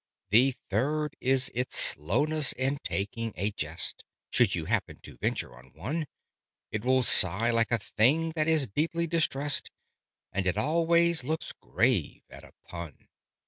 "The third is its slowness in taking a jest. Should you happen to venture on one, It will sigh like a thing that is deeply distressed: And it always looks grave at a pun.